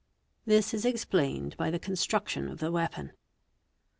This is explained by the construction of the weapon.